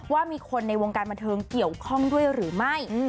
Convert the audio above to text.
ว่ามีคนในวงการบันเทิงเกี่ยวข้องด้วยหรือไม่